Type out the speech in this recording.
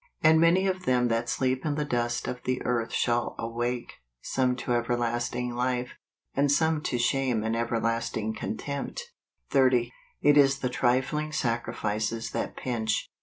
" And many of them that sleep in the dust of the earth shall aicake , some to everlasting life, and some to shame and everlasting contempt 30. It is the trifling sacrifices that pinch.